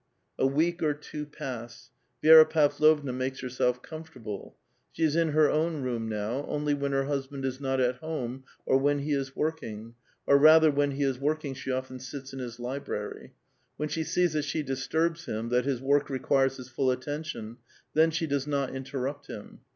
A week or two pass. Vi^ra Pavlovna makes herself com fortable. She is in her own room now, only when her bus band is not at home, or when he is working, or rather when he is working she often sits in his library ; when she sees that she disturbs him, that his work requires his full atten tion, then she does not inteiTupt him.